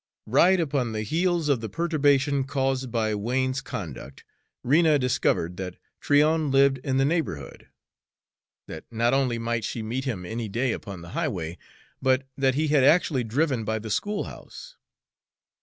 Right upon the heels of the perturbation caused by Wain's conduct, Rena discovered that Tryon lived in the neighborhood; that not only might she meet him any day upon the highway, but that he had actually driven by the schoolhouse.